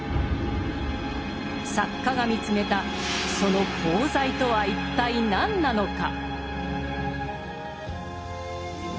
作家が見つめたその功罪とは一体何なのか。